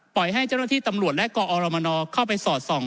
ให้เจ้าหน้าที่ตำรวจและกอรมนเข้าไปสอดส่อง